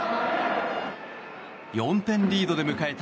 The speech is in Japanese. ４点リードで迎えた